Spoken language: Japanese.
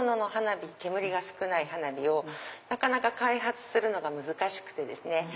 火煙が少ない花火をなかなか開発するのが難しくて。